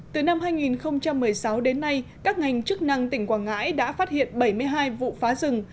từ năm hai nghìn một mươi sáu đến nay các ngành chức năng tỉnh quảng ngãi đã phát hiện bảy mươi hai vụ phá rừng